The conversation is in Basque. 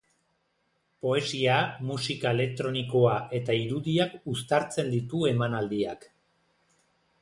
Poesia, musika elektronikoa eta irudiak uztartzen ditu emanaldiak.